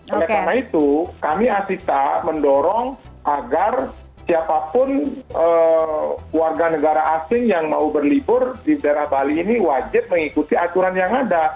oleh karena itu kami asista mendorong agar siapapun warga negara asing yang mau berlibur di daerah bali ini wajib mengikuti aturan yang ada